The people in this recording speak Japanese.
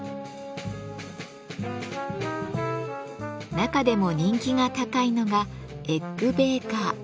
中でも人気が高いのが「エッグ・ベーカー」。